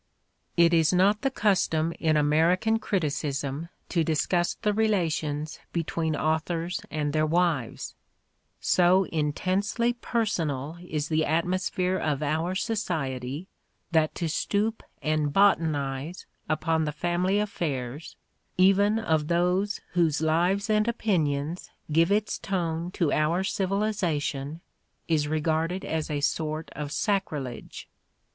It is not the custom in American criticism to discuss the relations between authors and their wives: so in tensely personal is the atmosphere of our society that to "stoop and botanize" upon the family affairs even of those whose lives and opinions give its tone to our civili zation is regarded as a sort of sacrilege.